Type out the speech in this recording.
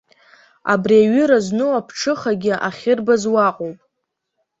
Абри аҩыра зну аԥҽыхагьы ахьырбаз уаҟоуп.